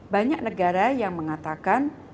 banyak negara yang mengatakan